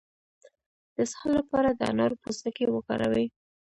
د اسهال لپاره د انارو پوستکی وکاروئ